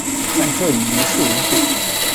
但这已于事无补。